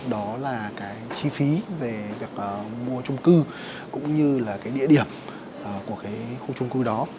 đó là chi phí về việc mua trung cư cũng như địa điểm của khu trung cư đó